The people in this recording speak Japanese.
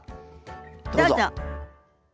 どうぞ。